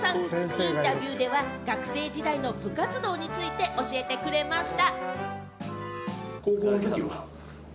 インタビューでは学生時代の部活動について教えてくれました。